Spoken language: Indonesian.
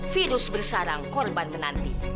virus bersarang korban menanti